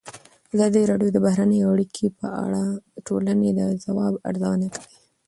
ازادي راډیو د بهرنۍ اړیکې په اړه د ټولنې د ځواب ارزونه کړې.